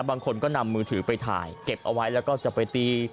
บางคนก็นำมือถือไปถ่ายเก็บเอาไว้แล้วก็จะไปตี